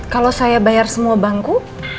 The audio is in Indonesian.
kalau saya bayar semua bangku